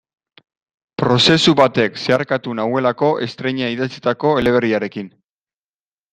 Prozesu batek zeharkatu nauelako estreina idatzitako eleberriarekin.